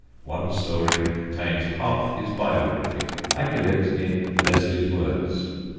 One story contains half his biography. I give it in Leslie's words.